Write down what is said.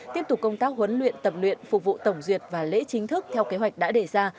tiếp tục công tác huấn luyện tập luyện phục vụ tổng duyệt và lễ chính thức theo kế hoạch đã đề ra